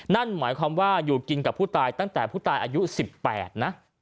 นั่นหมายความว่าอยู่กินกับผู้ตายตั้งแต่ผู้ตายอายุ๑๘นะ